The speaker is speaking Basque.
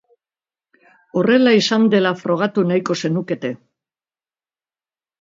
Horrela izan dela frogatu nahiko zenukete.